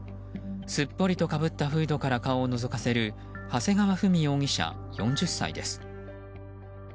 すっぽりとかぶったフードから顔をのぞかせる長谷川富美容疑者、４０歳です。